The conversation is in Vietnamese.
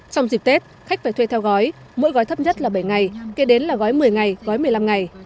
trong dịp tết khách phải thuê theo gói mỗi gói thấp nhất là bảy ngày kể đến là gói một mươi ngày gói một mươi năm ngày